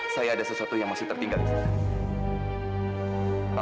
saya ada sesuatu yang masih tertinggal di sini